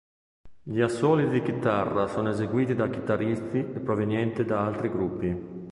Gli assoli di chitarra sono eseguiti da chitarristi provenienti da altri gruppi.